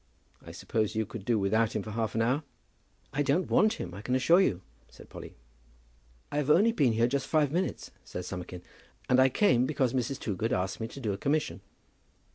I suppose you could do without him for half an hour." "I don't want him, I can assure you," said Polly. "I have only been here just five minutes," said Summerkin, "and I came because Mrs. Toogood asked me to do a commission."